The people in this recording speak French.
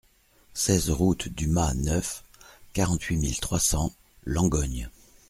seize route du Mas Neuf, quarante-huit mille trois cents Langogne